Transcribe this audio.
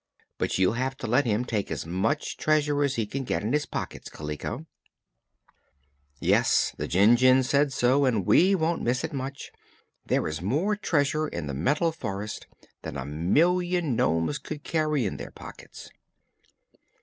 But you'll have to let him take as much treasure as he can get in his pockets, Kaliko." "Yes, the Jinjin said so; but we won't miss it much. There is more treasure in the Metal Forest than a million nomes could carry in their pockets."